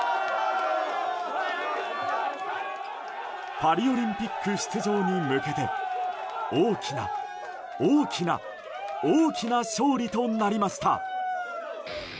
パリオリンピック出場に向けて大きな、大きな大きな勝利となりました。